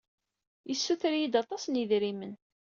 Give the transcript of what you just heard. Yessuter-iyi-d aṭas n yedrimen.